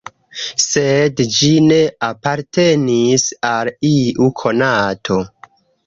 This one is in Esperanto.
Sed ĝi ne apartenis al iu konato.